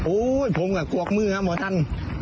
โอ้ยผมอ่ะกวกมืออ่ะหมอท่าน